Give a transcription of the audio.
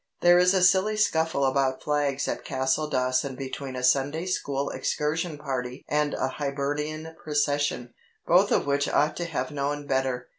There is a silly scuffle about flags at Castledawson between a Sunday school excursion party and a Hibernian procession, both of which ought to have known better.